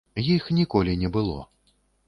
Іх ніколі не было.